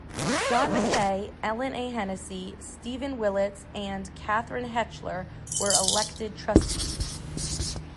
John Mackay, Ellen A. Hennessy, Stephen Willets and Catherine Hechler were elected Trustees.